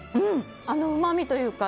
うまみというか。